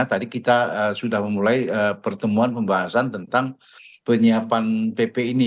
tadi kita sudah memulai pertemuan pembahasan tentang penyiapan pp ini